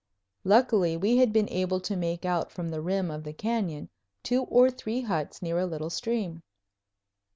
Luckily we had been able to make out from the rim of the canyon two or three huts near a little stream.